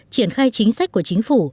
triển khai chính sách của chính phủ